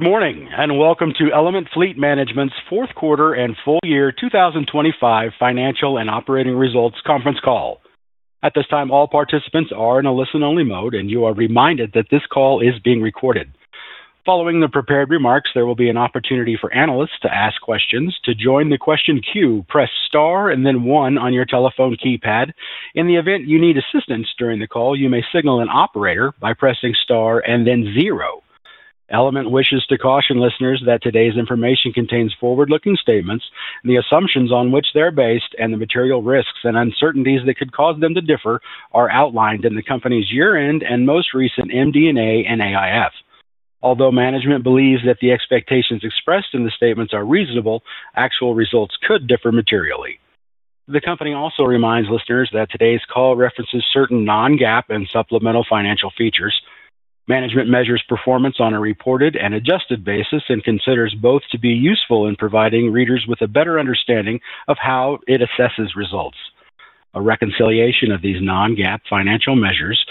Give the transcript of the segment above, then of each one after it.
Good morning, welcome to Element Fleet Management's Fourth Quarter and Full Year 2025 Financial and Operating Results Conference Call. At this time, all participants are in a listen-only mode, and you are reminded that this call is being recorded. Following the prepared remarks, there will be an opportunity for analysts to ask questions. To join the question queue, press star and then one on your telephone keypad. In the event you need assistance during the call, you may signal an operator by pressing star and then zero. Element wishes to caution listeners that today's information contains forward-looking statements, and the assumptions on which they're based, and the material risks and uncertainties that could cause them to differ are outlined in the company's year-end and most recent MD&A and AIF. Although management believes that the expectations expressed in the statements are reasonable, actual results could differ materially. The company also reminds listeners that today's call references certain non-GAAP and supplemental financial features. Management measures performance on a reported and adjusted basis and considers both to be useful in providing readers with a better understanding of how it assesses results. A reconciliation of these non-GAAP financial measures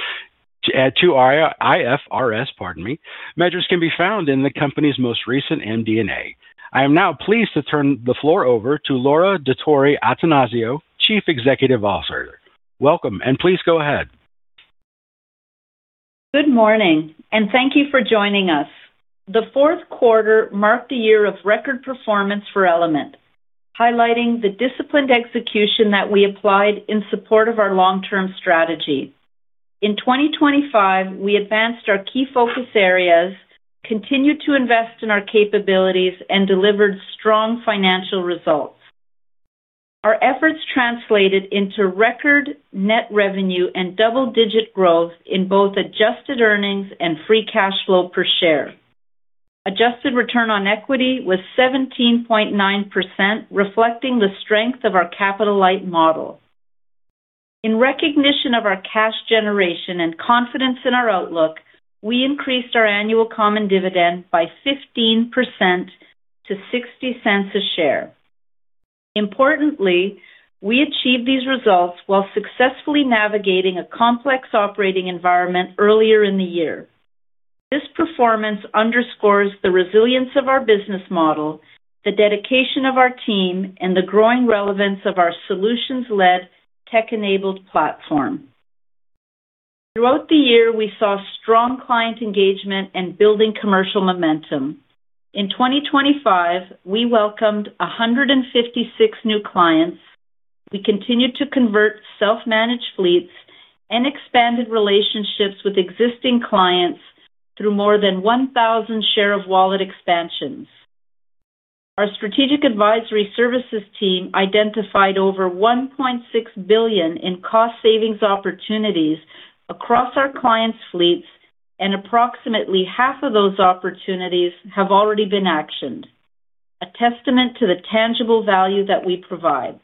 to IFRS, pardon me, measures can be found in the company's most recent MD&A. I am now pleased to turn the floor over to Laura Dottori-Attanasio, Chief Executive Officer. Welcome, and please go ahead. Good morning. Thank you for joining us. The fourth quarter marked a year of record performance for Element, highlighting the disciplined execution that we applied in support of our long-term strategy. In 2025, we advanced our key focus areas, continued to invest in our capabilities, and delivered strong financial results. Our efforts translated into record net revenue and double-digit growth in both adjusted earnings and free cash flow per share. Adjusted return on equity was 17.9%, reflecting the strength of our capital-light model. In recognition of our cash generation and confidence in our outlook, we increased our annual common dividend by 15% to $0.60 a share. Importantly, we achieved these results while successfully navigating a complex operating environment earlier in the year. This performance underscores the resilience of our business model, the dedication of our team, and the growing relevance of our solutions-led, tech-enabled platform. Throughout the year, we saw strong client engagement and building commercial momentum. In 2025, we welcomed 156 new clients. We continued to convert self-managed fleets and expanded relationships with existing clients through more than 1,000 share of wallet expansions. Our strategic advisory services team identified over $1.6 billion in cost savings opportunities across our clients' fleets, and approximately half of those opportunities have already been actioned, a testament to the tangible value that we provide.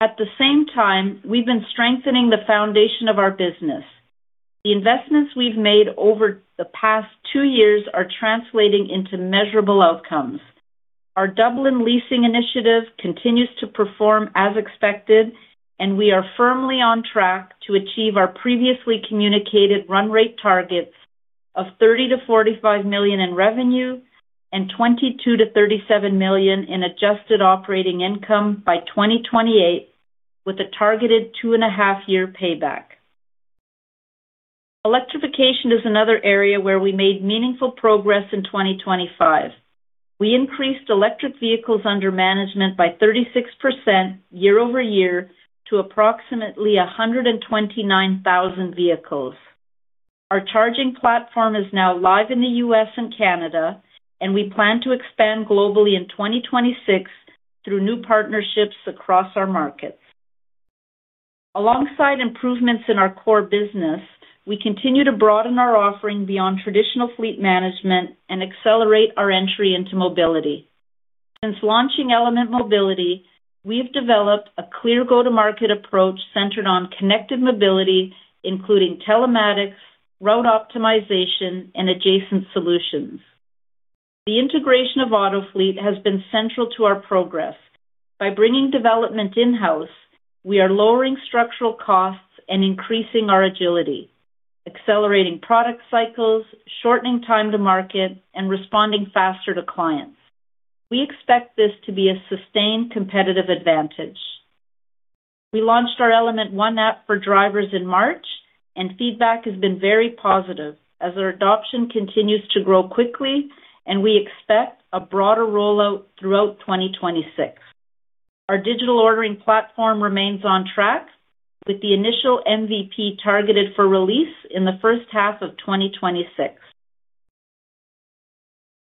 At the same time, we've been strengthening the foundation of our business. The investments we've made over the past two years are translating into measurable outcomes. Our Dublin leasing initiative continues to perform as expected, and we are firmly on track to achieve our previously communicated run rate targets of $30 million-$45 million in revenue and $22 million-$37 million in adjusted operating income by 2028, with a targeted two-and-a-half-year payback. Electrification is another area where we made meaningful progress in 2025. We increased electric vehicles under management by 36% year-over-year to approximately 129,000 vehicles. Our charging platform is now live in the U.S. and Canada, and we plan to expand globally in 2026 through new partnerships across our markets. Alongside improvements in our core business, we continue to broaden our offering beyond traditional fleet management and accelerate our entry into mobility. Since launching Element Mobility, we've developed a clear go-to-market approach centered on connected mobility, including telematics, route optimization, and adjacent solutions. The integration of Autofleet has been central to our progress. By bringing development in-house, we are lowering structural costs and increasing our agility, accelerating product cycles, shortening time to market, and responding faster to clients. We expect this to be a sustained competitive advantage. We launched our Element ONE app for drivers in March, and feedback has been very positive as our adoption continues to grow quickly, and we expect a broader rollout throughout 2026. Our digital ordering platform remains on track, with the initial MVP targeted for release in the first half of 2026.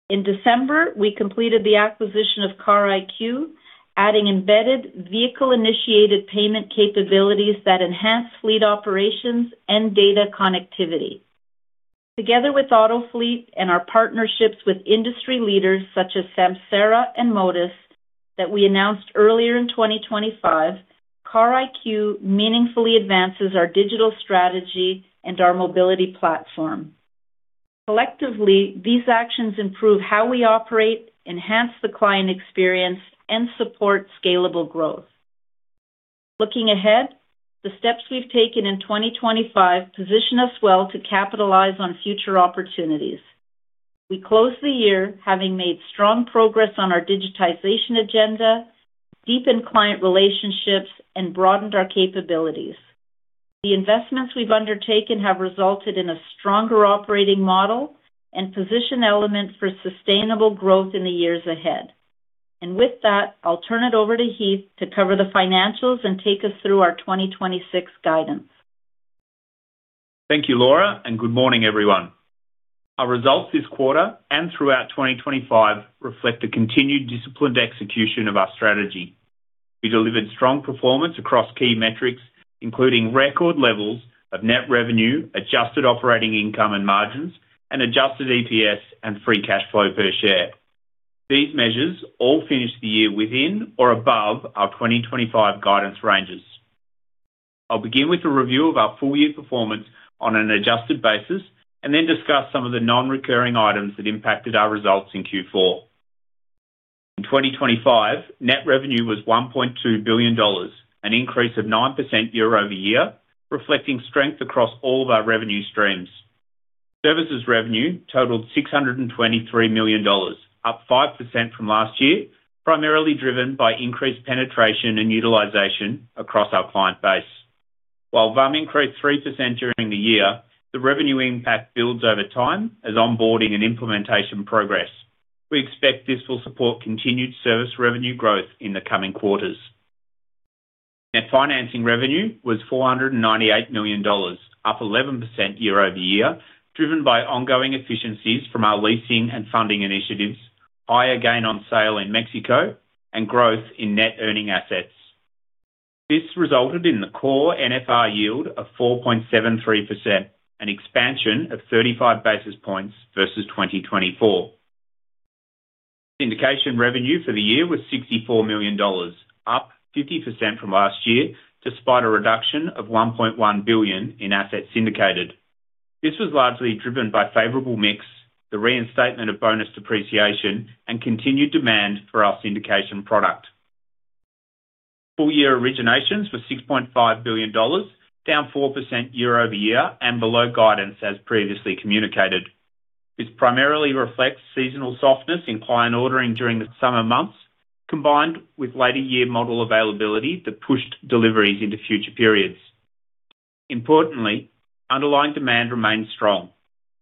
In December, we completed the acquisition of Car IQ, adding embedded vehicle-initiated payment capabilities that enhance fleet operations and data connectivity. Together with Autofleet and our partnerships with industry leaders such as Samsara and Motus that we announced earlier in 2025, Car IQ meaningfully advances our digital strategy and our mobility platform. Collectively, these actions improve how we operate, enhance the client experience, and support scalable growth. Looking ahead, the steps we've taken in 2025 position us well to capitalize on future opportunities. We closed the year having made strong progress on our digitization agenda, deepened client relationships, and broadened our capabilities. The investments we've undertaken have resulted in a stronger operating model and position Element for sustainable growth in the years ahead. With that, I'll turn it over to Heath to cover the financials and take us through our 2026 guidance. Thank you, Laura, and good morning, everyone. Our results this quarter and throughout 2025 reflect the continued disciplined execution of our strategy. We delivered strong performance across key metrics, including record levels of net revenue, adjusted operating income and margins, and adjusted EPS and free cash flow per share. These measures all finished the year within or above our 2025 guidance ranges. I'll begin with a review of our full year performance on an adjusted basis, then discuss some of the non-recurring items that impacted our results in Q4. In 2025, net revenue was $1.2 billion, an increase of 9% year-over-year, reflecting strength across all of our revenue streams. Services revenue totaled $623 million, up 5% from last year, primarily driven by increased penetration and utilization across our client base. While VUM increased 3% during the year, the revenue impact builds over time as onboarding and implementation progress. We expect this will support continued service revenue growth in the coming quarters. Net financing revenue was $498 million, up 11% year-over-year, driven by ongoing efficiencies from our leasing and funding initiatives, higher gain on sale in Mexico, and growth in net earning assets. This resulted in the core NFR yield of 4.73%, an expansion of 35 basis points versus 2024. Syndication revenue for the year was $64 million, up 50% from last year, despite a reduction of $1.1 billion in assets syndicated. This was largely driven by favorable mix, the reinstatement of bonus depreciation, and continued demand for our syndication product. Full year originations were $6.5 billion, down 4% year-over-year and below guidance as previously communicated. This primarily reflects seasonal softness in client ordering during the summer months, combined with later year model availability that pushed deliveries into future periods. Importantly, underlying demand remains strong.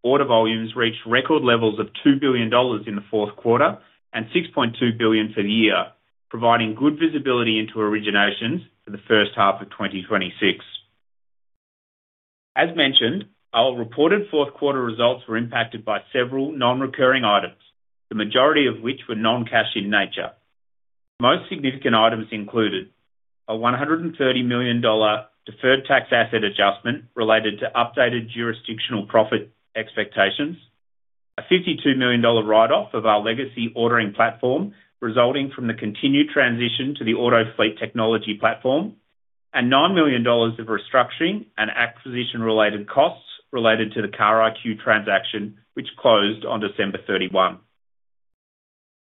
Order volumes reached record levels of $2 billion in the fourth quarter and $6.2 billion for the year, providing good visibility into originations for the first half of 2026. As mentioned, our reported fourth quarter results were impacted by several non-recurring items, the majority of which were non-cash in nature. Most significant items included: a $130 million deferred tax asset adjustment related to updated jurisdictional profit expectations, a $52 million write-off of our legacy ordering platform, resulting from the continued transition to the Autofleet technology platform, and $9 million of restructuring and acquisition-related costs related to the Car IQ transaction, which closed on December 31.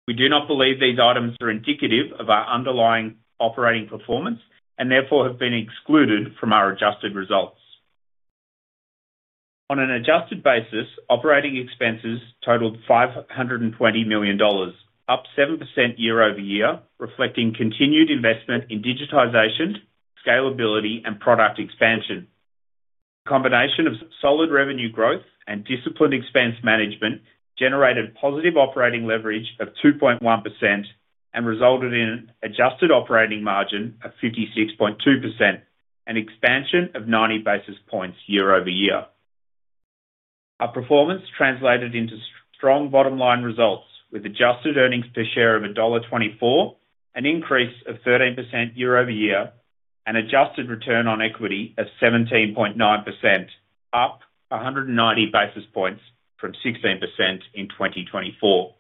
We do not believe these items are indicative of our underlying operating performance and therefore have been excluded from our adjusted results. On an adjusted basis, operating expenses totaled $520 million, up 7% year-over-year, reflecting continued investment in digitization, scalability, and product expansion. Combination of solid revenue growth and disciplined expense management generated positive operating leverage of 2.1% and resulted in an adjusted operating margin of 56.2%, an expansion of 90 basis points year-over-year. Our performance translated into strong bottom line results, with adjusted earnings per share of $1.24, an increase of 13% year-over-year. Adjusted return on equity of 17.9%, up 190 basis points from 16% in 2024.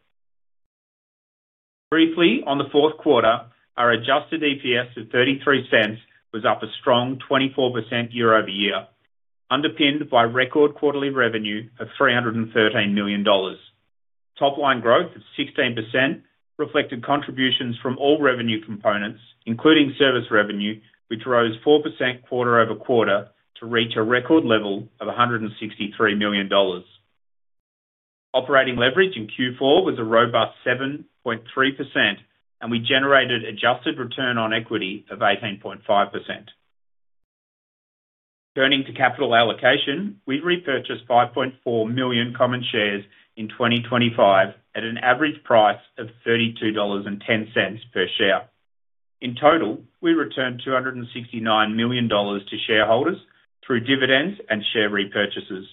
Briefly, on the fourth quarter, our adjusted EPS of $0.33 was up a strong 24% year-over-year, underpinned by record quarterly revenue of $313 million. Top line growth of 16% reflected contributions from all revenue components, including service revenue, which rose 4% quarter-over-quarter to reach a record level of $163 million. Operating leverage in Q4 was a robust 7.3%. We generated adjusted return on equity of 18.5%. Turning to capital allocation, we repurchased 5.4 million common shares in 2025 at an average price of $32.10 per share. In total, we returned $269 million to shareholders through dividends and share repurchases.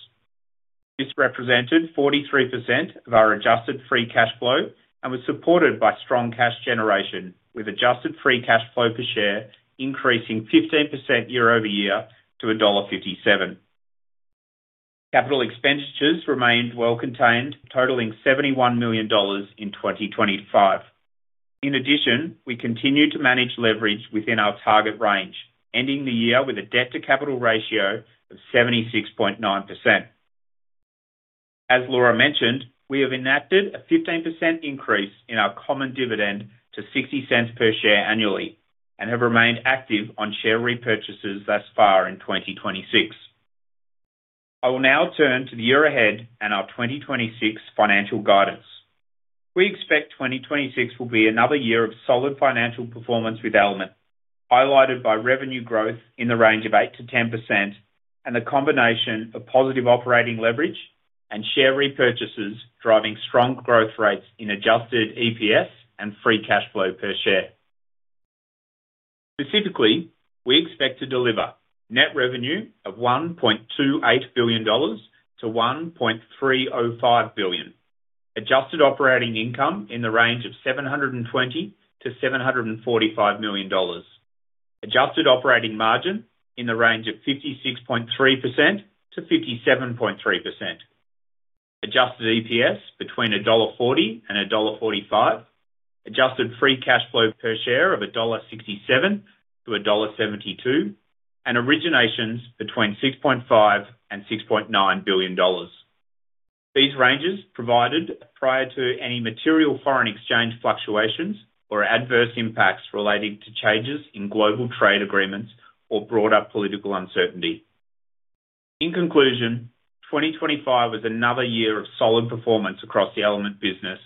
This represented 43% of our adjusted free cash flow and was supported by strong cash generation, with adjusted free cash flow per share increasing 15% year-over-year to $1.57. CapEx remained well contained, totaling $71 million in 2025. In addition, we continued to manage leverage within our target range, ending the year with a debt-to-capital ratio of 76.9%. .As Laura mentioned, we have enacted a 15% increase in our common dividend to $0.60 per share annually and have remained active on share repurchases thus far in 2026. I will now turn to the year ahead and our 2026 financial guidance. We expect 2026 will be another year of solid financial performance with Element, highlighted by revenue growth in the range of 8%-10% and a combination of positive operating leverage and share repurchases, driving strong growth rates in adjusted EPS and free cash flow per share. Specifically, we expect to deliver net revenue of $1.28 billion-$1.305 billion. Adjusted operating income in the range of $720 million-$745 million. Adjusted operating margin in the range of 56.3%-57.3%. Adjusted EPS between $1.40 and $1.45. Adjusted free cash flow per share of $1.67 to $1.72, Originations between $6.5 billion and $6.9 billion. These ranges provided prior to any material foreign exchange fluctuations or adverse impacts relating to changes in global trade agreements or broader political uncertainty. In conclusion, 2025 was another year of solid performance across the Element business.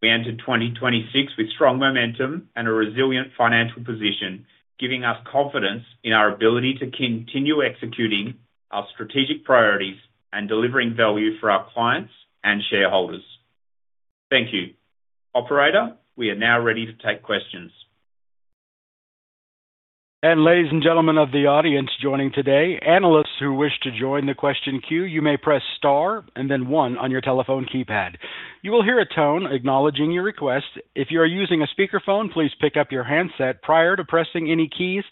We entered 2026 with strong momentum and a resilient financial position, giving us confidence in our ability to continue executing our strategic priorities and delivering value for our clients and shareholders. Thank you. Operator, we are now ready to take questions. Ladies and gentlemen of the audience, joining today, analysts who wish to join the question queue, you may press star and then one on your telephone keypad. You will hear a tone acknowledging your request. If you are using a speakerphone, please pick up your handset prior to pressing any keys.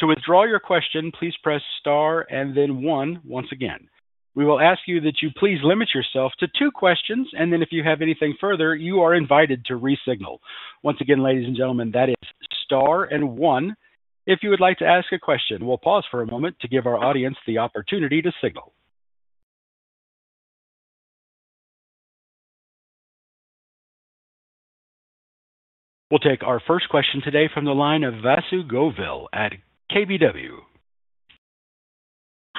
To withdraw your question, please press star and then one once again. We will ask you that you please limit yourself to 2 questions, if you have anything further, you are invited to re-signal. Once again, ladies and gentlemen, that is star and one. If you would like to ask a question, we'll pause for a moment to give our audience the opportunity to signal. We'll take our first question today from the line of Vasu Govil at KBW.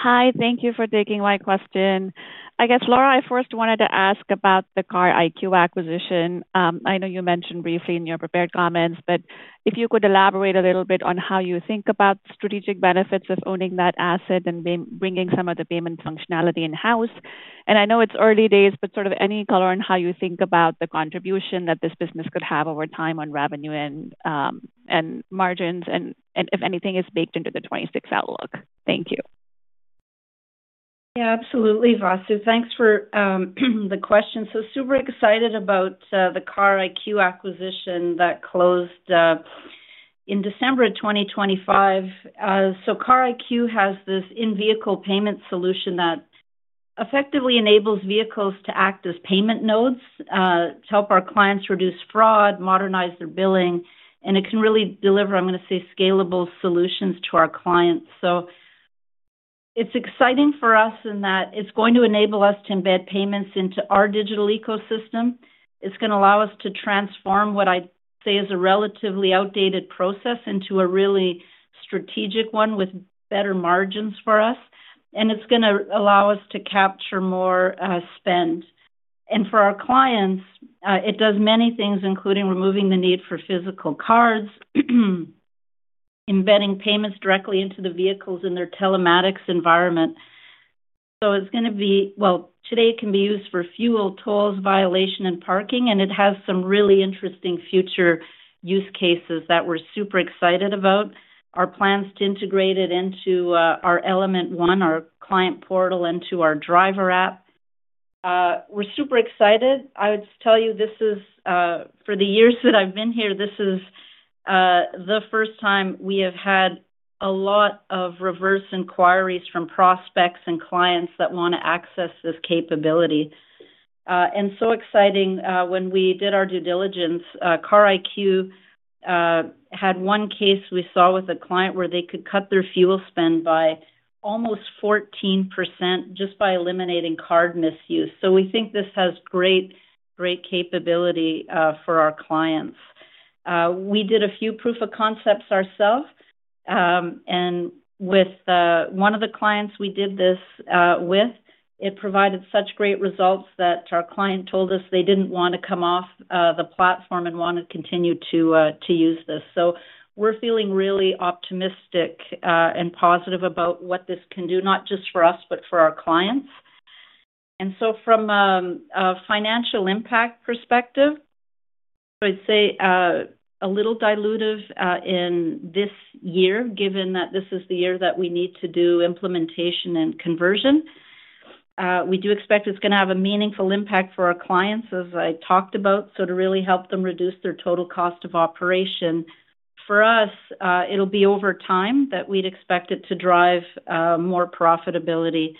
Hi, thank you for taking my question. I guess, Laura, I first wanted to ask about the Car IQ acquisition. I know you mentioned briefly in your prepared comments, but if you could elaborate a little bit on how you think about strategic benefits of owning that asset and bringing some of the payment functionality in-house. I know it's early days, but sort of any color on how you think about the contribution that this business could have over time on revenue and margins, and if anything, is baked into the 2026 outlook. Thank you. Yeah, absolutely, Vasu. Thanks for the question. Super excited about the Car IQ acquisition that closed in December of 2025. Car IQ has this in-vehicle payment solution that effectively enables vehicles to act as payment nodes to help our clients reduce fraud, modernize their billing, and it can really deliver, I'm gonna say, scalable solutions to our clients. It's exciting for us in that it's going to enable us to embed payments into our digital ecosystem. It's gonna allow us to transform what I'd say is a relatively outdated process into a really strategic one with better margins for us, and it's gonna allow us to capture more spend. For our clients, it does many things, including removing the need for physical cards, embedding payments directly into the vehicles in their telematics environment. It's gonna be well, today it can be used for fuel, tolls, violation, and parking, and it has some really interesting future use cases that we're super excited about. Our plans to integrate it into our Element ONE, our client portal, into our driver app. We're super excited. I would tell you, this is for the years that I've been here, this is the first time we have had a lot of reverse inquiries from prospects and clients that wanna access this capability. Exciting, when we did our due diligence, Car IQ had one case we saw with a client where they could cut their fuel spend by almost 14% just by eliminating card misuse. We think this has great capability for our clients. We did a few proof of concepts ourselves, and with one of the clients we did this with, it provided such great results that our client told us they didn't want to come off the platform and wanted to continue to use this. We're feeling really optimistic and positive about what this can do, not just for us, but for our clients. From a financial impact perspective, I'd say a little dilutive in this year, given that this is the year that we need to do implementation and conversion. We do expect it's gonna have a meaningful impact for our clients, as I talked about, so to really help them reduce their total cost of operation. For us, it'll be over time that we'd expect it to drive more profitability.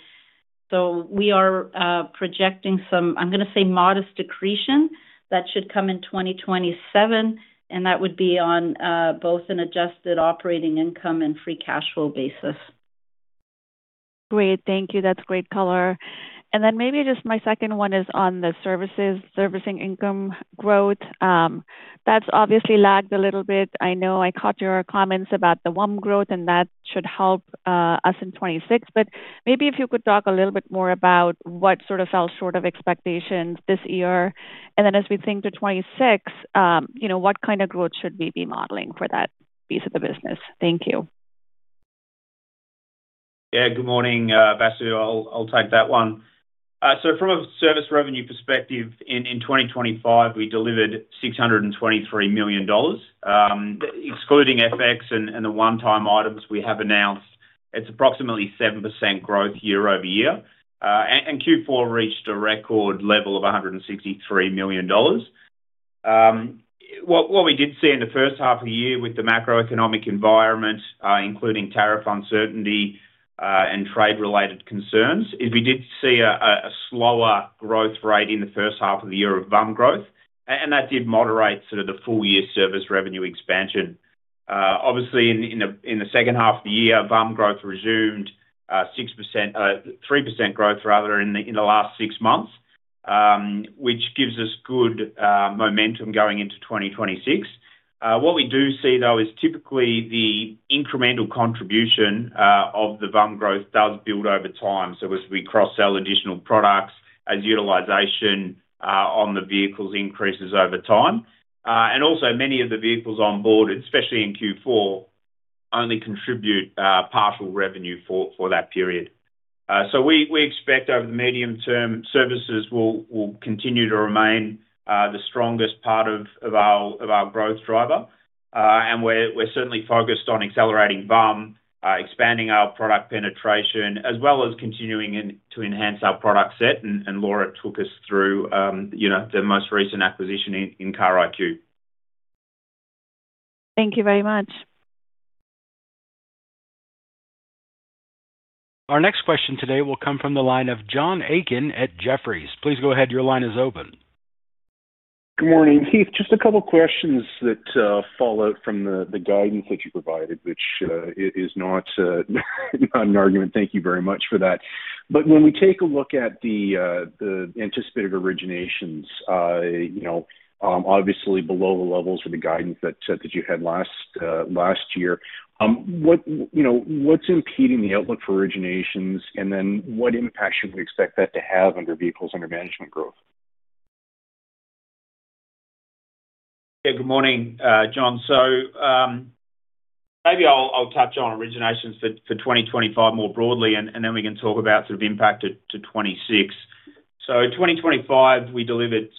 We are projecting some, I'm gonna say, modest accretion that should come in 2027, and that would be on both an adjusted operating income and free cash flow basis. Great. Thank you. That's great color. Maybe just my second one is on the services, servicing income growth. That's obviously lagged a little bit. I know I caught your comments about the VUM growth, and that should help us in 2026. Maybe if you could talk a little bit more about what sort of fell short of expectations this year. As we think to 2026, you know, what kind of growth should we be modeling for that piece of the business? Thank you. Good morning, Vasu. I'll take that one. From a service revenue perspective, in 2025, we delivered $623 million. Excluding FX and the one-time items we have announced, it's approximately 7% growth year-over-year. Q4 reached a record level of $163 million. What we did see in the first half of the year with the macroeconomic environment, including tariff uncertainty and trade-related concerns, is we did see a slower growth rate in the first half of the year of VUM growth, and that did moderate sort of the full-year service revenue expansion. Obviously in the second half of the year, VUM growth resumed, 6%, 3% growth rather in the last 6 months, which gives us good momentum going into 2026. What we do see, though, is typically the incremental contribution of the VUM growth does build over time. As we cross-sell additional products, as utilization on the vehicles increases over time. Also many of the vehicles on board, especially in Q4, only contribute partial revenue for that period. We expect over the medium term, services will continue to remain the strongest part of our growth driver. We're certainly focused on accelerating VUM, expanding our product penetration, as well as continuing to enhance our product set. Laura took us through, you know, the most recent acquisition in Car IQ. Thank you very much. Our next question today will come from the line of John Aiken at Jefferies. Please go ahead. Your line is open. Good morning, Heath. Just a couple of questions that follow from the guidance that you provided, which is not an argument. Thank you very much for that. When we take a look at the anticipated originations, you know, obviously below the levels of the guidance that you had last year, what, you know, what's impeding the outlook for originations? What impact should we expect that to have on your vehicles under management growth? Good morning, John. Maybe I'll touch on originations for 2025 more broadly, and then we can talk about sort of impact to 2026. In 2025, we delivered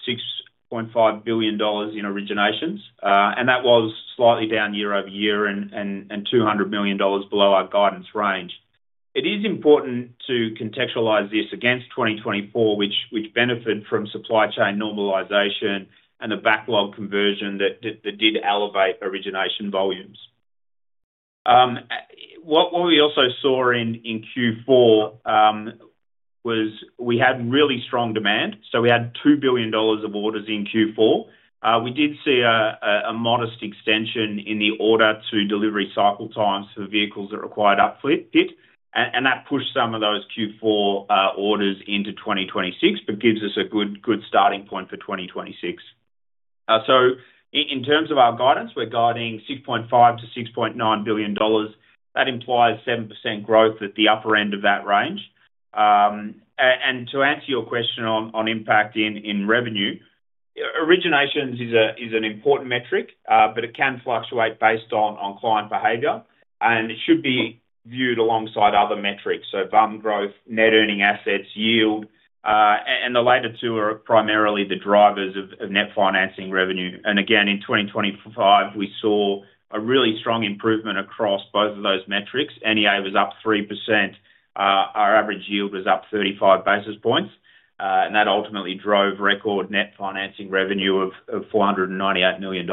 $6.5 billion in originations, and that was slightly down year-over-year and $200 million below our guidance range. It is important to contextualize this against 2024, which benefited from supply chain normalization and the backlog conversion that did elevate origination volumes. What we also saw in Q4 was we had really strong demand, so we had $2 billion of orders in Q4. We did see a modest extension in the order to delivery cycle times for the vehicles that required upfit, and that pushed some of those Q4 orders into 2026, but gives us a good starting point for 2026. In terms of our guidance, we're guiding $6.5 billion-$6.9 billion. That implies 7% growth at the upper end of that range. And to answer your question on impact in revenue, originations is an important metric, but it can fluctuate based on client behavior, and it should be viewed alongside other metrics. VUM growth, net earning assets, yield, and the latter two are primarily the drivers of net financing revenue. Again, in 2025, we saw a really strong improvement across both of those metrics. NEA was up 3%. Our average yield was up 35 basis points, and that ultimately drove record net financing revenue of $498 million.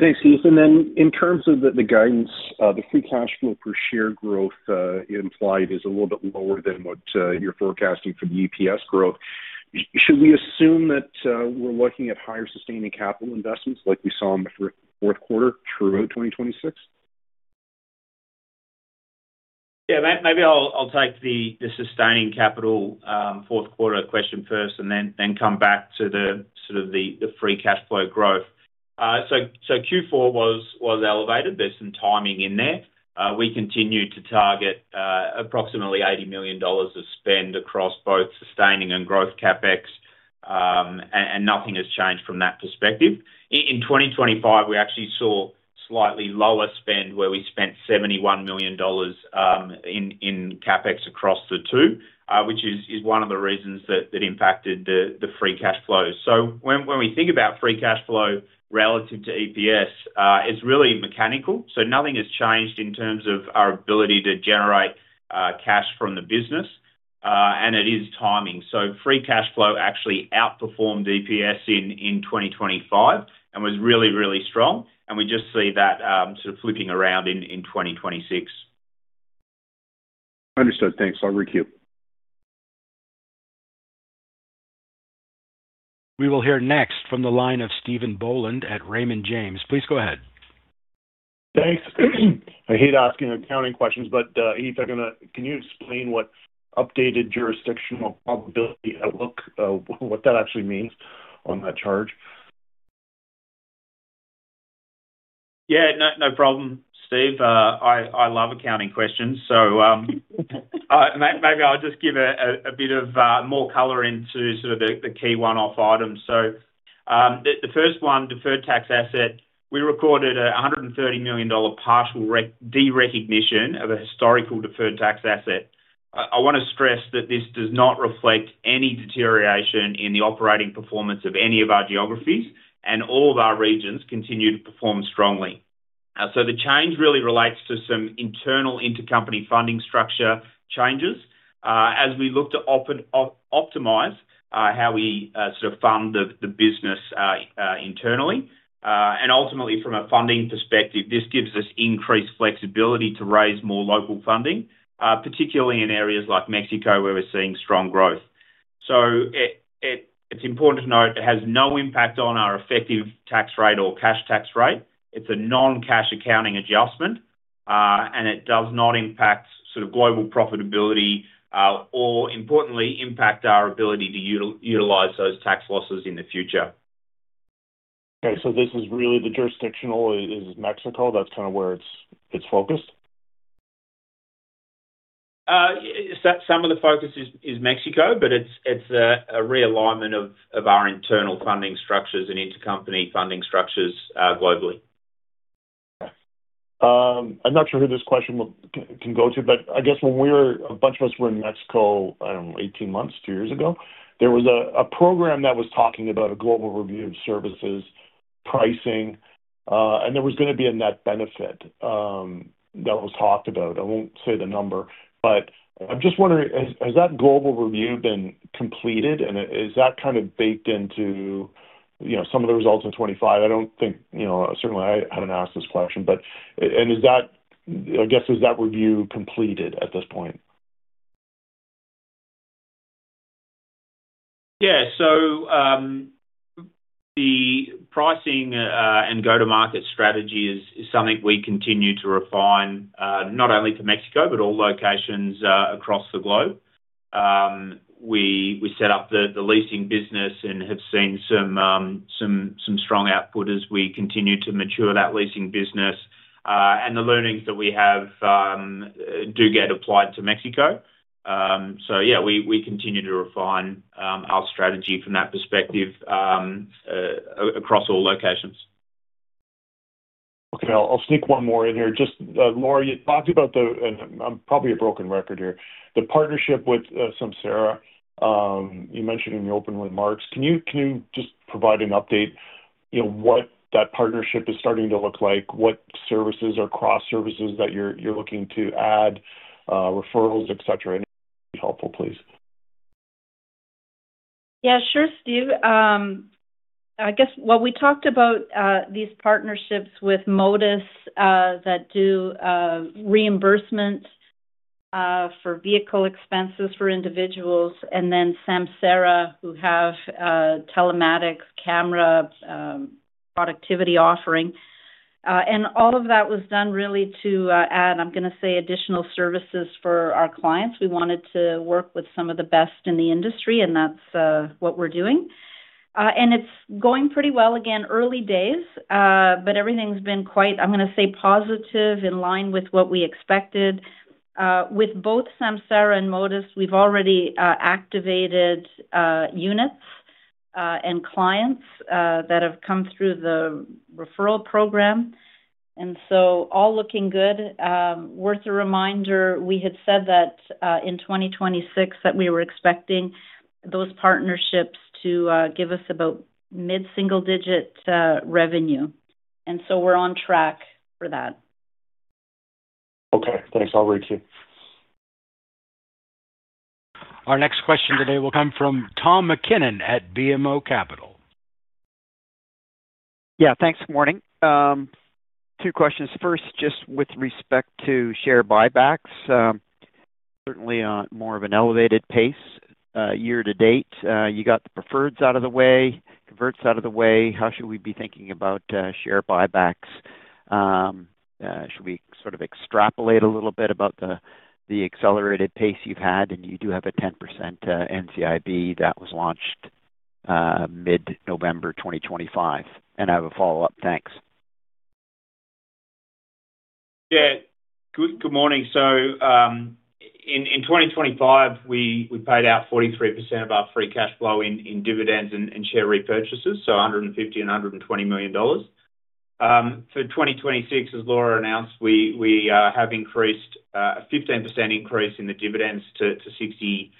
Thanks, Keith. In terms of the guidance, the free cash flow per share growth implied is a little bit lower than what you're forecasting for the EPS growth. Should we assume that we're looking at higher sustaining capital investments like we saw in the third, fourth quarter throughout 2026? Yeah, maybe I'll take the sustaining capital, fourth quarter question first and then come back to the sort of the free cash flow growth. Q4 was elevated. There's some timing in there. We continued to target approximately $80 million of spend across both sustaining and growth CapEx, and nothing has changed from that perspective. In 2025, we actually saw slightly lower spend, where we spent $71 million in CapEx across the two, which is one of the reasons that impacted the free cash flows. When we think about free cash flow relative to EPS, it's really mechanical, nothing has changed in terms of our ability to generate cash from the business. It is timing. Free cash flow actually outperformed EPS in 2025 and was really strong, and we just see that sort of flipping around in 2026. Understood. Thanks. I'll re-queue. We will hear next from the line of Stephen Boland at Raymond James. Please go ahead. Thanks. I hate asking accounting questions, but, if I'm gonna, can you explain what updated jurisdictional probability outlook, what that actually means on that charge? Yeah. No, no problem, Steve. I love accounting questions, so, maybe I'll just give a bit of more color into sort of the key one-off items. The first one, deferred tax asset, we recorded a $130 million partial derecognition of a historical deferred tax asset. I want to stress that this does not reflect any deterioration in the operating performance of any of our geographies, and all of our regions continue to perform strongly. The change really relates to some internal intercompany funding structure changes, as we look to open optimize, how we sort of fund the business internally. Ultimately from a funding perspective, this gives us increased flexibility to raise more local funding, particularly in areas like Mexico, where we're seeing strong growth. It's important to note it has no impact on our effective tax rate or cash tax rate. It's a non-cash accounting adjustment, and it does not impact sort of global profitability, or importantly, impact our ability to utilize those tax losses in the future. Okay, this is really the jurisdictional is Mexico. That's kind of where it's focused? Some of the focus is Mexico, but it's a realignment of our internal funding structures and intercompany funding structures, globally. I'm not sure who this question will can go to, but I guess when a bunch of us were in Mexico, 18 months, 2 years ago, there was a program that was talking about a global review of services, pricing, and there was gonna be a net benefit that was talked about. I won't say the number, but I'm just wondering, has that global review been completed, and is that kind of baked into, you know, some of the results in 25? I don't think, you know, certainly I haven't asked this question, but and I guess, is that review completed at this point? The pricing and go-to-market strategy is something we continue to refine, not only to Mexico, but all locations across the globe. We set up the leasing business and have seen some strong output as we continue to mature that leasing business, and the learnings that we have, do get applied to Mexico. Yeah, we continue to refine our strategy from that perspective, across all locations. Okay, I'll sneak one more in here. Just, Laura, you talked about the, and I'm probably a broken record here, the partnership with Samsara. You mentioned in your opening remarks, can you just provide an update, you know, what that partnership is starting to look like? What services or cross services that you're looking to add, referrals, et cetera? Helpful, please. Yeah, sure, Steve. I guess what we talked about, these partnerships with Motus, that do reimbursements for vehicle expenses for individuals, and then Samsara, who have telematics, camera, productivity offering. All of that was done really to add, I'm gonna say, additional services for our clients. We wanted to work with some of the best in the industry, and that's what we're doing. It's going pretty well. Again, early days, but everything's been quite, I'm gonna say, positive, in line with what we expected. With both Samsara and Motus, we've already activated units and clients that have come through the referral program, and so all looking good. Worth a reminder, we had said that in 2026, that we were expecting those partnerships to give us about mid-single digit revenue, and so we're on track for that. Okay, thanks. I'll reach you. Our next question today will come from Tom MacKinnon at BMO Capital. Yeah, thanks. Good morning. 2 questions. First, just with respect to share buybacks, certainly on more of an elevated pace, year to date, you got the preferreds out of the way, converts out of the way. How should we be thinking about share buybacks? Should we sort of extrapolate a little bit about the accelerated pace you've had, you do have a 10% NCIB that was launched mid-November 2025? I have a follow-up. Thanks. Good morning. In 2025, we paid out 43% of our free cash flow in dividends and share repurchases, so $150 million and $120 million. For 2026, as Laura announced, we have increased a 15% increase in the dividends to $0.60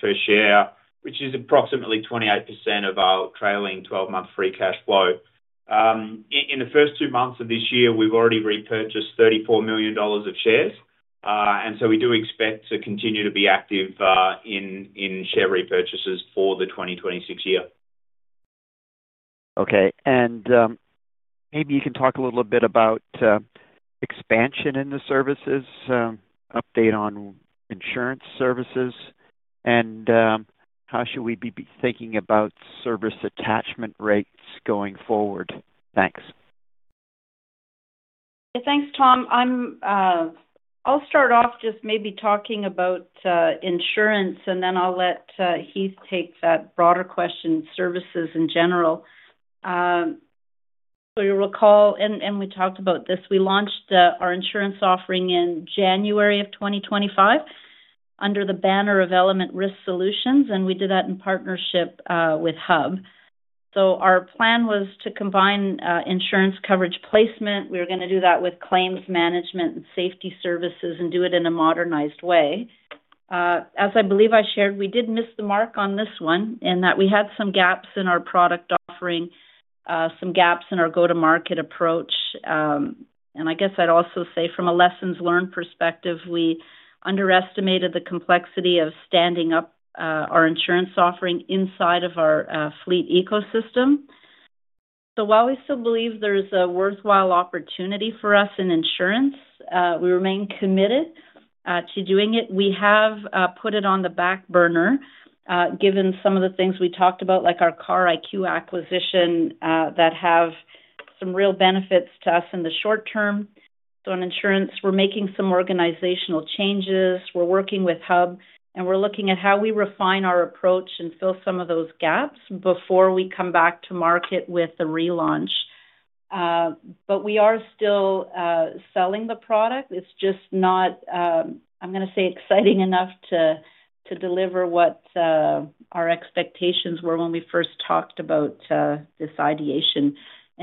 per share, which is approximately 28% of our trailing twelve-month free cash flow. In the first two months of this year, we've already repurchased $34 million of shares. We do expect to continue to be active in share repurchases for the 2026 year. Okay, maybe you can talk a little bit about expansion in the services, update on insurance services, and how should we be thinking about service attachment rates going forward? Thanks. Thanks, Tom. I'm, I'll start off just maybe talking about insurance, and then I'll let Heath take that broader question, services in general. You'll recall, and we talked about this, we launched our insurance offering in January of 2025 under the banner of Element Risk Solutions, and we did that in partnership with Hub. Our plan was to combine insurance coverage placement. We were gonna do that with claims management and safety services and do it in a modernized way. As I believe I shared, we did miss the mark on this one, and that we had some gaps in our product offering, some gaps in our go-to-market approach. I guess I'd also say from a lessons learned perspective, we underestimated the complexity of standing up our insurance offering inside of our fleet ecosystem. While we still believe there is a worthwhile opportunity for us in insurance, we remain committed to doing it. We have put it on the back burner given some of the things we talked about, like our Car IQ acquisition, that have some real benefits to us in the short term. In insurance, we're making some organizational changes. We're working with Hub, and we're looking at how we refine our approach and fill some of those gaps before we come back to market with the relaunch. We are still selling the product. It's just not, I'm gonna say, exciting enough to deliver what our expectations were when we first talked about this ideation.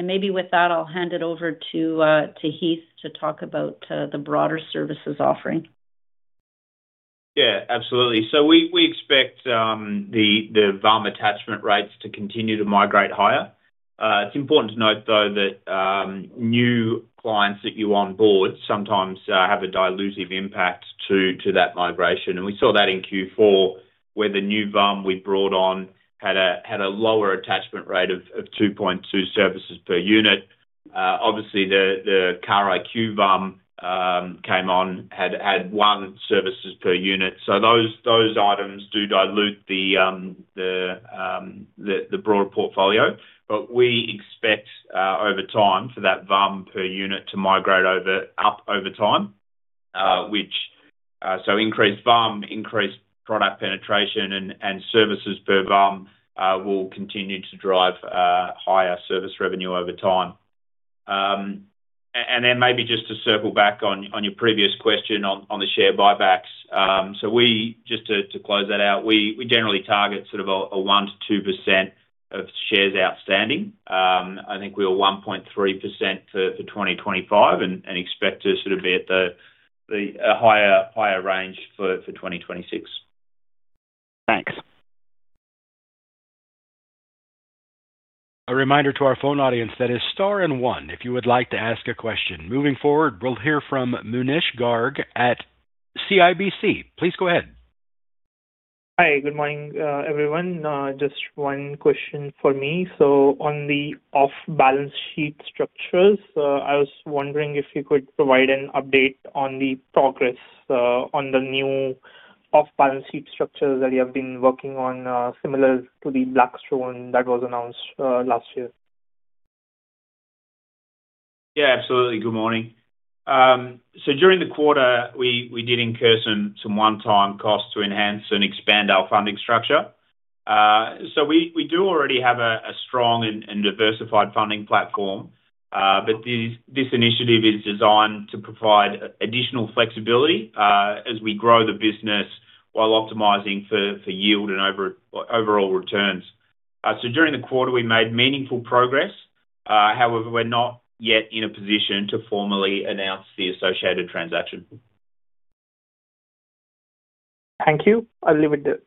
Maybe with that, I'll hand it over to Heath to talk about the broader services offering. Yeah, absolutely. We expect the VUM attachment rates to continue to migrate higher. It's important to note, though, that new clients that you onboard sometimes have a dilutive impact to that migration. We saw that in Q4, where the new VUM we brought on had a lower attachment rate of 2.2 services per unit. Obviously, the Car IQ VUM came on, had 1 services per unit. Those items do dilute the broader portfolio. We expect over time for that VUM per unit to migrate up over time, which increased VUM, increased product penetration and services per VUM will continue to drive higher service revenue over time. Maybe just to circle back on your previous question on the share buybacks. Just to close that out, we generally target sort of a 1% to 2% of shares outstanding. I think we were 1.3% for 2025 and expect to sort of be at the higher range for 2026. Thanks. A reminder to our phone audience that is star and one, if you would like to ask a question. Moving forward, we'll hear from Paul Holden at CIBC. Please go ahead. Hi, good morning, everyone. Just one question for me. On the off-balance sheet structures, I was wondering if you could provide an update on the progress, on the new off-balance sheet structures that you have been working on, similar to the Blackstone that was announced, last year. Yeah, absolutely. Good morning. During the quarter, we did incur some one-time costs to enhance and expand our funding structure. We do already have a strong and diversified funding platform, this initiative is designed to provide additional flexibility as we grow the business, while optimizing for yield and overall returns. During the quarter, we made meaningful progress. However, we're not yet in a position to formally announce the associated transaction. Thank you. I'll leave it there.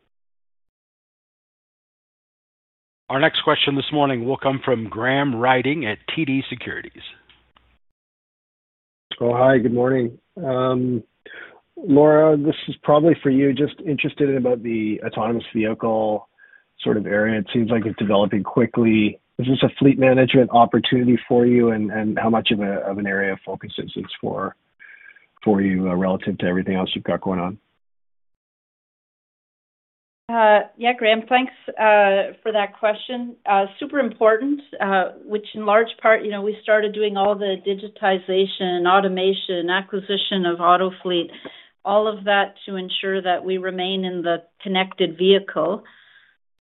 Our next question this morning will come from Graham Ryding at TD Securities. Oh, hi, good morning. Laura, this is probably for you, just interested about the autonomous vehicle sort of area. It seems like it's developing quickly. Is this a fleet management opportunity for you? How much of a, of an area of focus is this for you, relative to everything else you've got going on? Yeah, Graham, thanks for that question. Super important, which in large part, you know, we started doing all the digitization, automation, acquisition of Autofleet, all of that to ensure that we remain in the connected vehicle.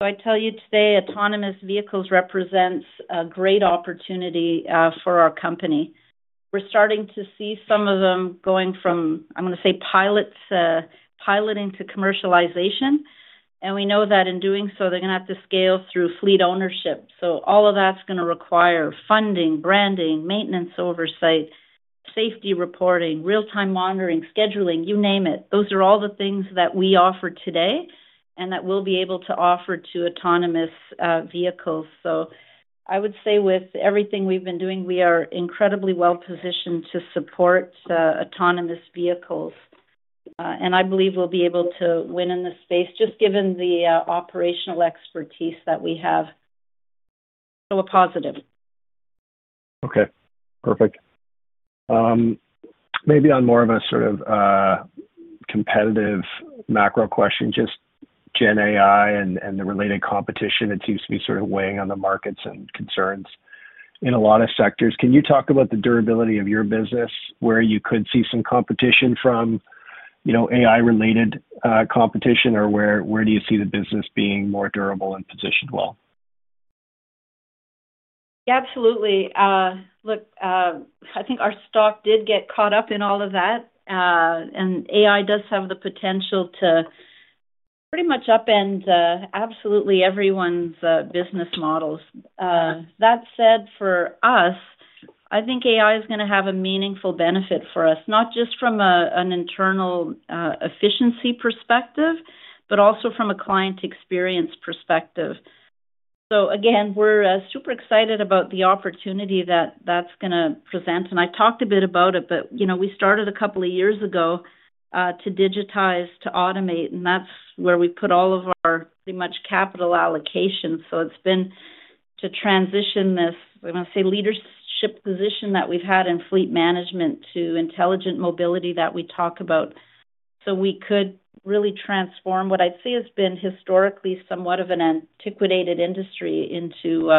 I tell you today, autonomous vehicles represents a great opportunity for our company. We're starting to see some of them going from, I'm gonna say, pilots, piloting to commercialization, and we know that in doing so, they're gonna have to scale through fleet ownership. All of that's gonna require funding, branding, maintenance, oversight, safety reporting, real-time monitoring, scheduling, you name it. Those are all the things that we offer today and that we'll be able to offer to autonomous vehicles. I would say with everything we've been doing, we are incredibly well positioned to support autonomous vehicles. I believe we'll be able to win in this space, just given the operational expertise that we have. A positive. Okay, perfect. Maybe on more of a sort of competitive macro question, just Gen AI and the related competition, it seems to be sort of weighing on the markets and concerns in a lot of sectors. Can you talk about the durability of your business, where you could see some competition from, you know, AI-related competition, or where do you see the business being more durable and positioned well? Absolutely. Look, I think our stock did get caught up in all of that, and AI does have the potential to pretty much upend absolutely everyone's business models. That said, for us, I think AI is gonna have a meaningful benefit for us, not just from an internal efficiency perspective, but also from a client experience perspective. Again, we're super excited about the opportunity that that's gonna present. I talked a bit about it, but, you know, we started a couple of years ago to digitize, to automate, and that's where we put all of our pretty much capital allocation. It's been to transition this, I want to say, leadership position that we've had in fleet management to intelligent mobility that we talk about. We could really transform what I'd say has been historically somewhat of an antiquated industry into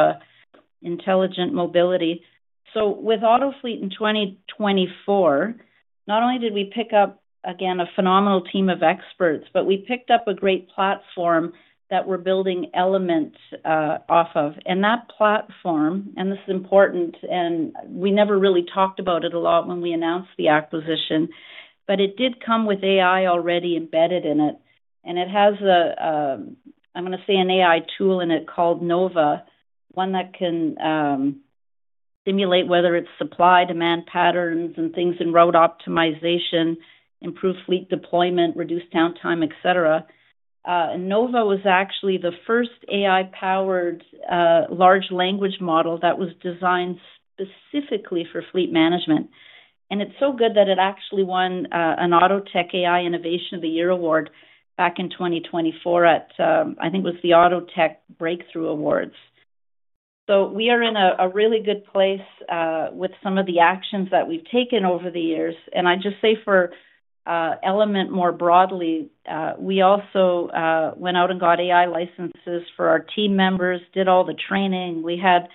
intelligent mobility. With Autofleet in 2024, not only did we pick up, again, a phenomenal team of experts, but we picked up a great platform that we're building elements off of. That platform, this is important, we never really talked about it a lot when we announced the acquisition, but it did come with AI already embedded in it. It has a, I'm gonna say, an AI tool in it called Nova, one that can simulate whether it's supply, demand patterns and things in road optimization, improve fleet deployment, reduce downtime, et cetera. Nova was actually the first AI-powered large language model that was designed specifically for fleet management. It's so good that it actually won an AutoTech AI Innovation of the Year award back in 2024 at the AutoTech Breakthrough Awards. We are in a really good place with some of the actions that we've taken over the years. I'd just say for Element more broadly, we also went out and got AI licenses for our team members, did all the training. We had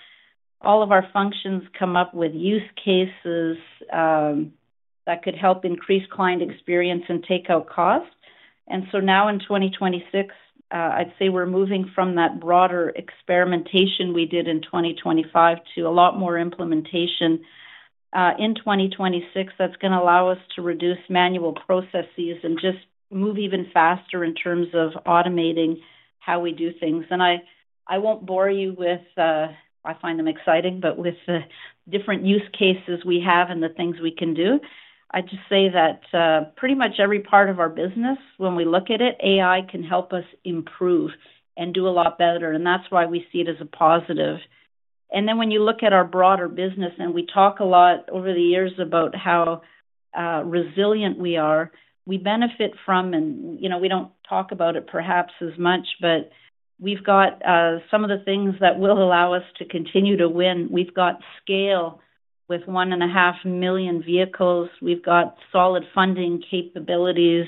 all of our functions come up with use cases that could help increase client experience and take out costs. Now in 2026, we're moving from that broader experimentation we did in 2025 to a lot more implementation in 2026. That's gonna allow us to reduce manual processes and just move even faster in terms of automating how we do things. I won't bore you with, I find them exciting, but with the different use cases we have and the things we can do, I'd just say that pretty much every part of our business, when we look at it, AI can help us improve and do a lot better, and that's why we see it as a positive. When you look at our broader business, and we talk a lot over the years about how resilient we are, we benefit from, and, you know, we don't talk about it perhaps as much, but we've got some of the things that will allow us to continue to win. We've got scale with 1.5 million vehicles. We've got solid funding capabilities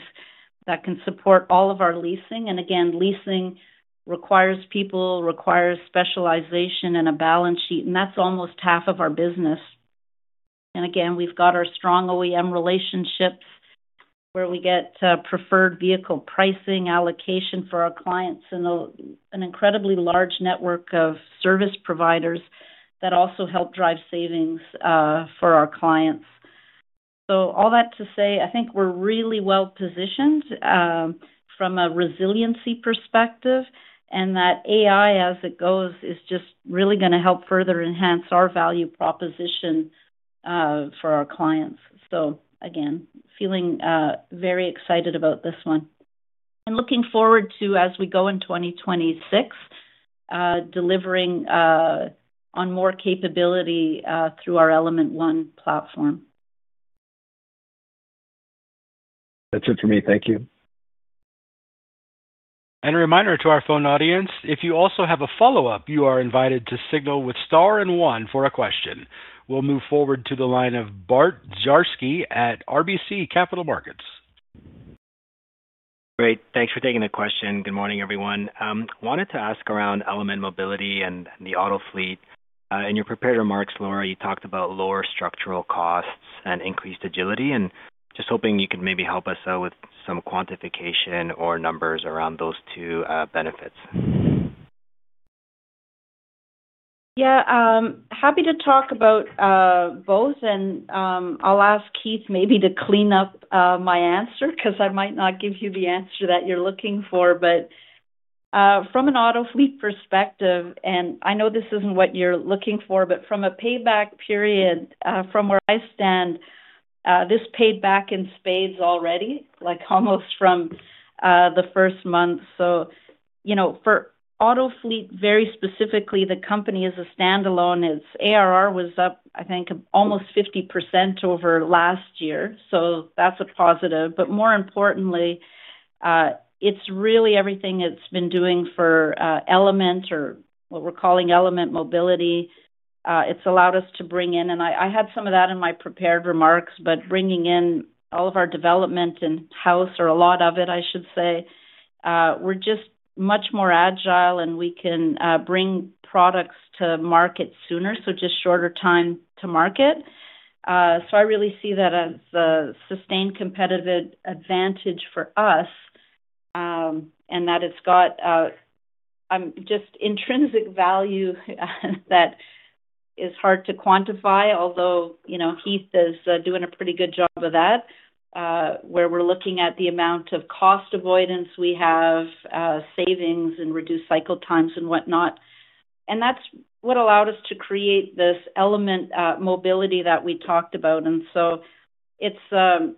that can support all of our leasing. Again, leasing requires people, requires specialization and a balance sheet, and that's almost half of our business. Again, we've got our strong OEM relationships, where we get preferred vehicle pricing, allocation for our clients, and an incredibly large network of service providers that also help drive savings for our clients. All that to say, I think we're really well positioned from a resiliency perspective, and that AI, as it goes, is just really gonna help further enhance our value proposition for our clients. Again, feeling very excited about this one. Looking forward to, as we go in 2026, delivering on more capability through our Element ONE platform. That's it for me. Thank you. A reminder to our phone audience, if you also have a follow-up, you are invited to signal with star and one for a question. We'll move forward to the line of Bart Dziarski at RBC Capital Markets. Great. Thanks for taking the question. Good morning, everyone. Wanted to ask around Element Mobility and Autofleet. In your prepared remarks, Laura, you talked about lower structural costs and increased agility. Just hoping you could maybe help us out with some quantification or numbers around those two benefits. Yeah, happy to talk about both, I'll ask Keith maybe to clean up my answer, because I might not give you the answer that you're looking for. From an Autofleet perspective, I know this isn't what you're looking for, from a payback period, from where I stand, this paid back in spades already, like almost from the first month. You know, for Autofleet, very specifically, the company as a standalone, its ARR was up, I think, almost 50% over last year. That's a positive. More importantly, it's really everything it's been doing for Element or what we're calling Element Mobility. It's allowed us to bring in, and I had some of that in my prepared remarks, but bringing in all of our development in-house, or a lot of it, I should say. We're just much more agile and we can bring products to market sooner, so just shorter time to market. I really see that as a sustained competitive advantage for us, and that it's got a just intrinsic value that is hard to quantify. Although, you know, Heath is doing a pretty good job of that, where we're looking at the amount of cost avoidance we have, savings and reduced cycle times and whatnot. That's what allowed us to create this Element Mobility that we talked about. It's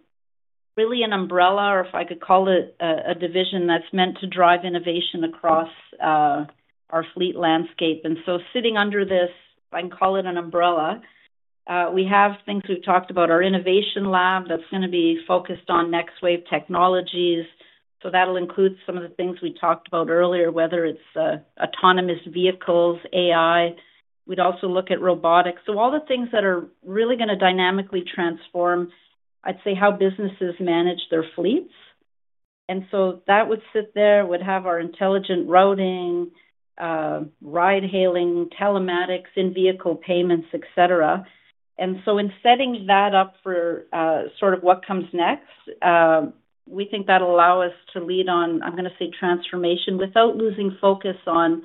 really an umbrella, or if I could call it a division that's meant to drive innovation across our fleet landscape. Sitting under this, I can call it an umbrella, we have things we've talked about, our innovation lab, that's gonna be focused on next wave technologies. That'll include some of the things we talked about earlier, whether it's autonomous vehicles, AI. We'd also look at robotics. All the things that are really gonna dynamically transform, I'd say, how businesses manage their fleets. That would sit there. We'd have our intelligent routing, ride hailing, telematics, in-vehicle payments, etc.. In setting that up for, sort of what comes next, we think that'll allow us to lead on, I'm gonna say, transformation, without losing focus on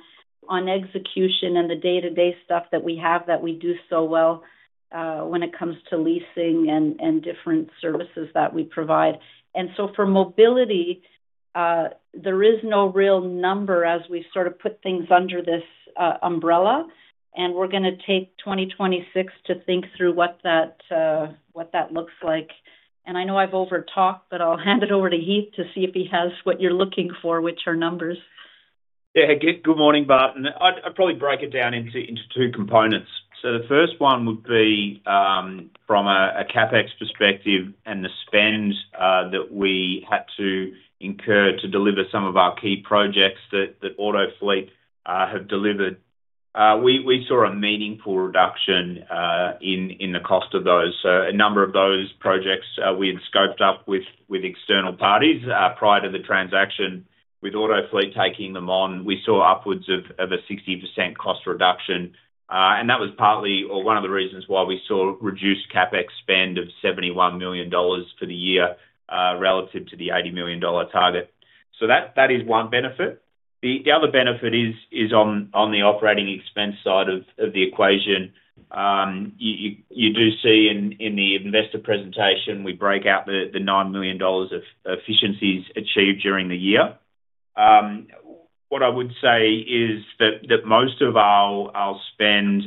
execution and the day-to-day stuff that we have that we do so well, when it comes to leasing and different services that we provide. For Mobility, there is no real number as we sort of put things under this umbrella, and we're gonna take 2026 to think through what that, what that looks like. I know I've over-talked, but I'll hand it over to Heath to see if he has what you're looking for, which are numbers. Good morning, Bart. I'd probably break it down into two components. The first one would be from a CapEx perspective and the spend that we had to incur to deliver some of our key projects that Autofleet have delivered. We saw a meaningful reduction in the cost of those. A number of those projects we had scoped up with external parties prior to the transaction. With Autofleet taking them on, we saw upwards of a 60% cost reduction, and that was partly or one of the reasons why we saw reduced CapEx spend of $71 million for the year relative to the $80 million target. That is one benefit. The other benefit is on the operating expense side of the equation. You do see in the investor presentation, we break out the $9 million of efficiencies achieved during the year. What I would say is that most of our spend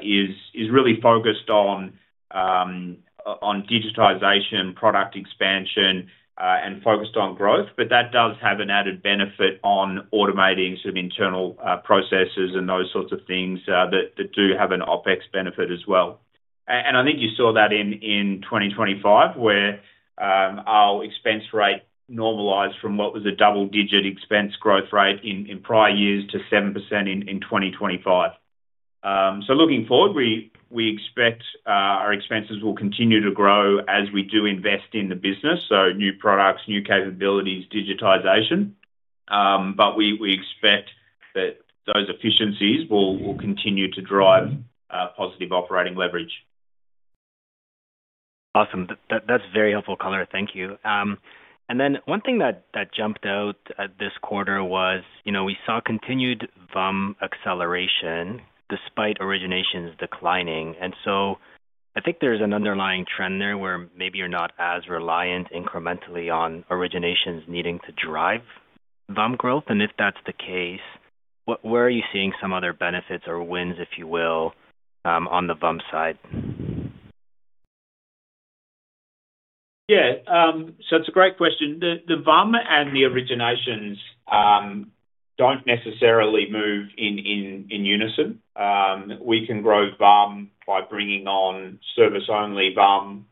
is really focused on digitization, product expansion, and focused on growth, but that does have an added benefit on automating some internal processes and those sorts of things that do have an OpEx benefit as well. I think you saw that in 2025, where our expense rate normalized from what was a double-digit expense growth rate in prior years to 7% in 2025. Looking forward, we expect our expenses will continue to grow as we do invest in the business, so new products, new capabilities, digitization. We expect that those efficiencies will continue to drive positive operating leverage. Awesome. That's very helpful color. Thank you. Then one thing that jumped out at this quarter was, you know, we saw continued VUM acceleration despite originations declining. So I think there's an underlying trend there where maybe you're not as reliant incrementally on originations needing to drive VUM growth. If that's the case, where are you seeing some other benefits or wins, if you will, on the VUM side? Yeah, so it's a great question. The VUM and the originations don't necessarily move in unison. We can grow VUM by bringing on service-only VUM,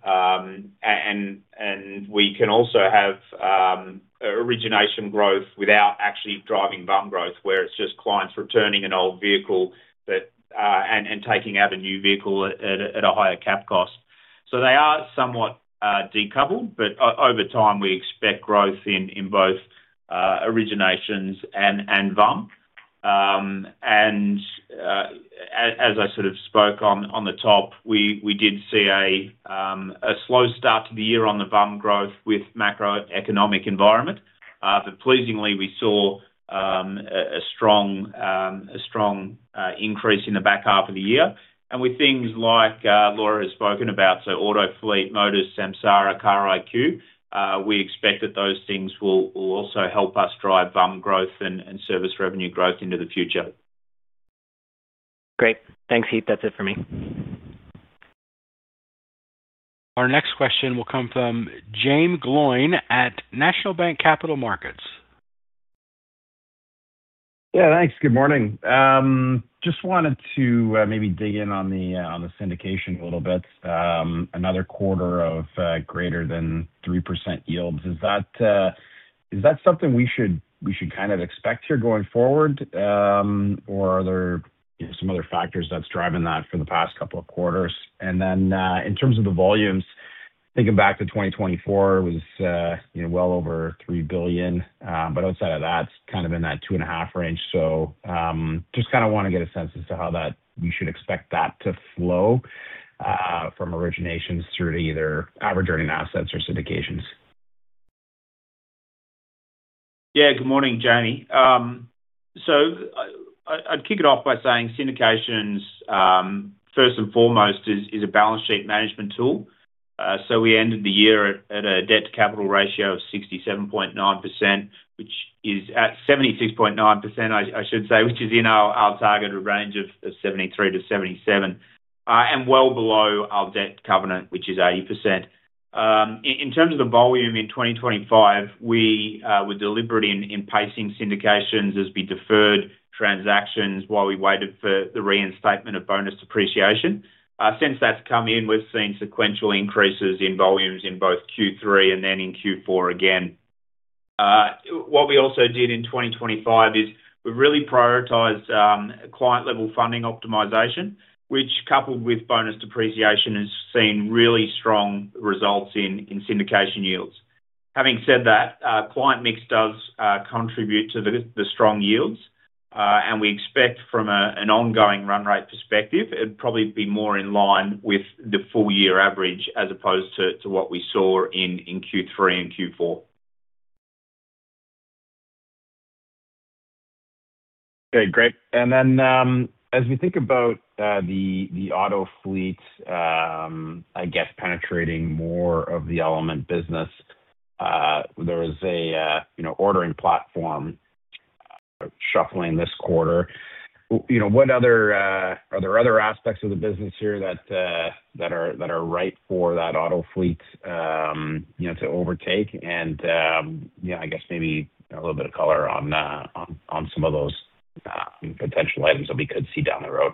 and we can also have origination growth without actually driving VUM growth, where it's just clients returning an old vehicle but, and taking out a new vehicle at a higher cap cost. They are somewhat decoupled, but over time, we expect growth in both originations and VUM. As I sort of spoke on the top, we did see a slow start to the year on the VUM growth with macroeconomic environment, but pleasingly, we saw a strong increase in the back half of the year. With things like, Laura has spoken about, so Autofleet, Motus, Samsara, Car IQ, we expect that those things will also help us drive VUM growth and service revenue growth into the future. Great. Thanks, Heath. That's it for me. Our next question will come from Jaeme Gloyn at National Bank Capital Markets. Yeah, thanks. Good morning. Just wanted to maybe dig in on the syndication a little bit. Another quarter of greater than 3% yields. Is that something we should kind of expect here going forward? Or are there some other factors that's driving that for the past couple of quarters? In terms of the volumes, thinking back to 2024 was, you know, well over $3 billion. Outside of that, kind of in that $2.5 billion range. Just kind of want to get a sense as to how that we should expect that to flow from originations through to either average earning assets or syndications. Good morning, Jaeme. I'd kick it off by saying syndications, first and foremost, is a balance sheet management tool. We ended the year at a debt-to-capital ratio of 67.9%, which is at 76.9%, I should say, which is in our targeted range of 73%-77%, and well below our debt covenant, which is 80%. In terms of the volume in 2025, we were deliberate in pacing syndications as we deferred transactions while we waited for the reinstatement of bonus depreciation. Since that's come in, we've seen sequential increases in volumes in both Q3 and in Q4 again. What we also did in 2025 is we really prioritized client-level funding optimization, which, coupled with bonus depreciation, has seen really strong results in syndication yields. Having said that, client mix does contribute to the strong yields, and we expect from an ongoing run rate perspective, it'd probably be more in line with the full year average as opposed to what we saw in Q3 and Q4. Okay, great. As we think about, the Autofleet, I guess, penetrating more of the Element business, there is a, you know, ordering platform shuffling this quarter. You know, what other are there other aspects of the business here that are, that are right for that Autofleet, you know, to overtake and, you know, I guess maybe a little bit of color on, on some of those, potential items that we could see down the road?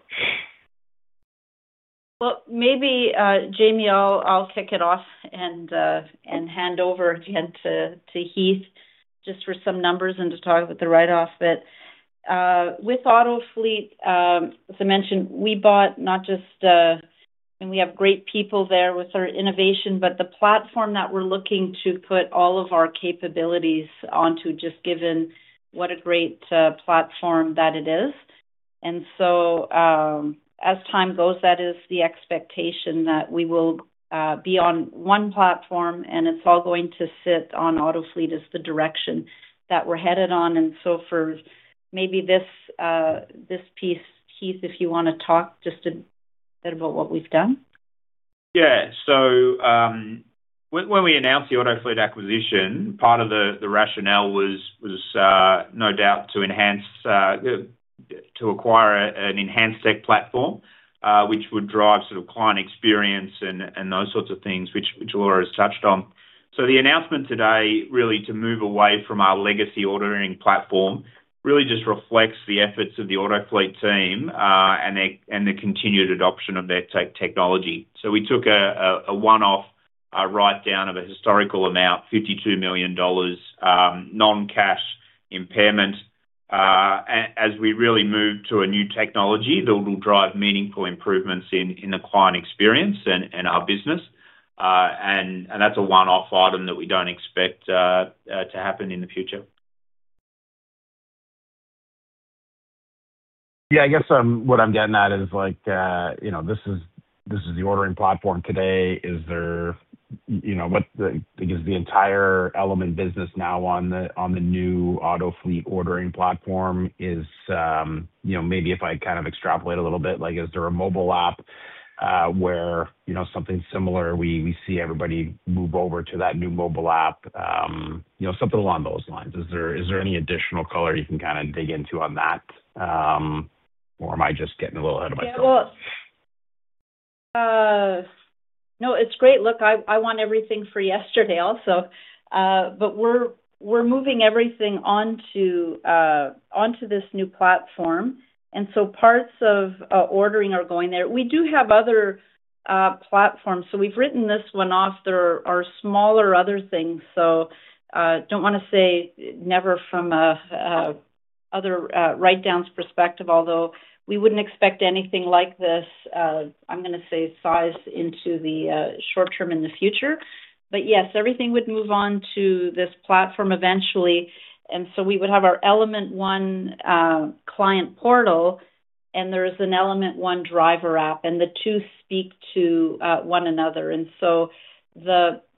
Well, maybe Jaeme, I'll kick it off and hand over again to Heath just for some numbers and to talk about the write-off. With Autofleet, as I mentioned, we bought not just... We have great people there with our innovation, but the platform that we're looking to put all of our capabilities onto, just given what a great platform that it is. As time goes, that is the expectation that we will be on one platform, and it's all going to sit on Autofleet, is the direction that we're headed on. For maybe this piece, Heath, if you want to talk just a bit about what we've done. When we announced the Autofleet acquisition, part of the rationale was no doubt to enhance, to acquire an enhanced tech platform, which would drive sort of client experience and those sorts of things which Laura has touched on. The announcement today, really to move away from our legacy ordering platform, really just reflects the efforts of the Autofleet team and the continued adoption of their technology. We took a one-off write-down of a historical amount, $52 million non-cash impairment as we really move to a new technology that will drive meaningful improvements in the client experience and our business. And that's a one-off item that we don't expect to happen in the future. Yeah, I guess, what I'm getting at is like, you know, this is, this is the ordering platform today. Is the entire Element business now on the new Autofleet ordering platform? Is, you know, maybe if I kind of extrapolate a little bit, like, is there a mobile app, where, you know, something similar, we see everybody move over to that new mobile app, you know, something along those lines? Is there, is there any additional color you can kind of dig into on that, or am I just getting a little ahead of myself? Yeah, well, no, it's great. Look, I want everything for yesterday also, but we're moving everything onto this new platform, and so parts of, ordering are going there. We do have other platforms, so we've written this one off. There are smaller other things, so don't wanna say never from a other, write-downs perspective, although we wouldn't expect anything like this, I'm gonna say, size into the short term in the future. But yes, everything would move on to this platform eventually, so we would have our Element ONE client portal, and there is an Element ONE driver app, and the two speak to one another.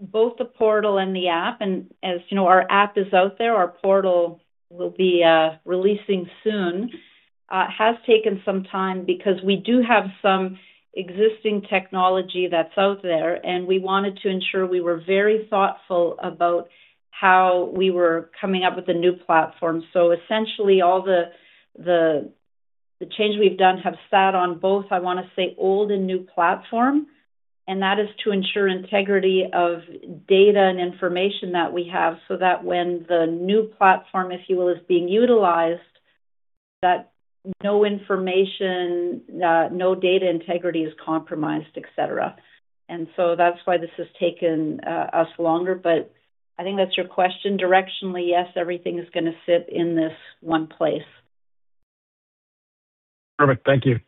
Both the portal and the app, and as you know, our app is out there, our portal will be releasing soon. Has taken some time because we do have some existing technology that's out there, and we wanted to ensure we were very thoughtful about how we were coming up with a new platform. Essentially, all the change we've done have sat on both, I want to say, old and new platform, and that is to ensure integrity of data and information that we have, so that when the new platform, if you will, is being utilized, that no information, no data integrity is compromised, et cetera. That's why this has taken us longer. I think that's your question. Directionally, yes, everything is going to sit in this one place. Perfect. Thank you.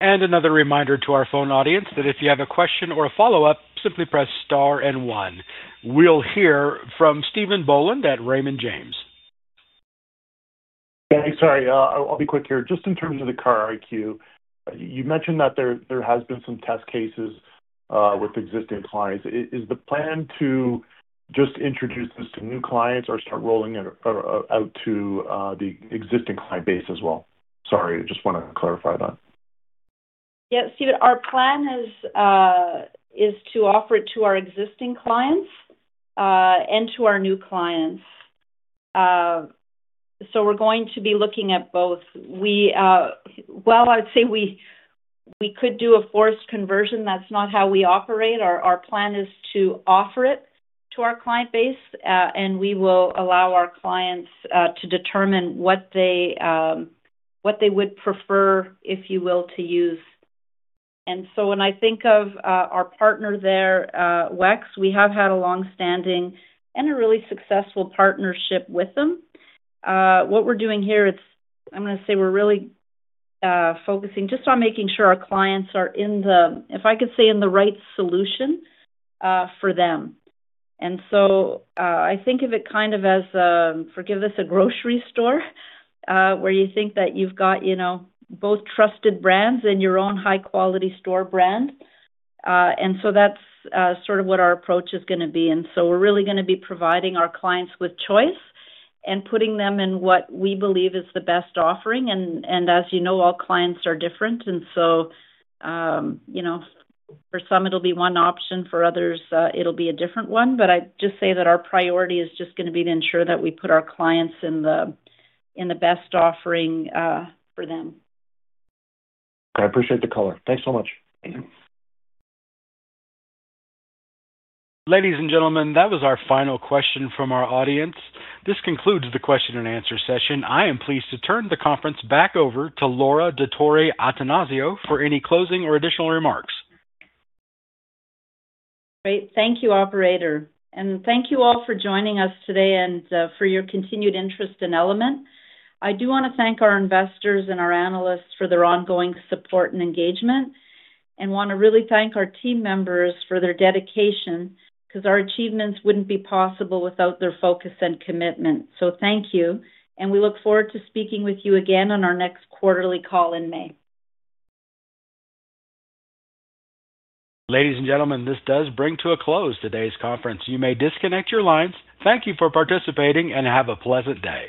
Another reminder to our phone audience that if you have a question or a follow-up, simply press star and one. We'll hear from Stephen Boland at Raymond James. Thanks. Sorry, I'll be quick here. Just in terms of the Car IQ, you mentioned that there has been some test cases with existing clients. Is the plan to just introduce this to new clients or start rolling it out to the existing client base as well? Sorry, I just want to clarify that. Yeah, Steve, our plan is to offer it to our existing clients and to our new clients. We're going to be looking at both. We could do a forced conversion. That's not how we operate. Our plan is to offer it to our client base, and we will allow our clients to determine what they would prefer, if you will, to use. When I think of our partner there, WEX, we have had a long-standing and a really successful partnership with them. What we're doing here, I'm gonna say we're really focusing just on making sure our clients are in the, if I could say, in the right solution, for them. I think of it kind of as, forgive us, a grocery store, where you think that you've got, you know, both trusted brands and your own high-quality store brand. That's sort of what our approach is gonna be. We're really gonna be providing our clients with choice and putting them in what we believe is the best offering. As you know, all clients are different, so, you know, for some it'll be one option, for others, it'll be a different one. I'd just say that our priority is just going to be to ensure that we put our clients in the, in the best offering, for them. I appreciate the color. Thanks so much. Ladies and gentlemen, that was our final question from our audience. This concludes the question-and-answer session. I am pleased to turn the conference back over to Laura Dottori-Attanasio for any closing or additional remarks. Great. Thank you, operator. Thank you all for joining us today for your continued interest in Element. I do want to thank our investors and our analysts for their ongoing support and engagement. Want to really thank our team members for their dedication, because our achievements wouldn't be possible without their focus and commitment. Thank you, and we look forward to speaking with you again on our next quarterly call in May. Ladies and gentlemen, this does bring to a close today's conference. You may disconnect your lines. Thank you for participating and have a pleasant day.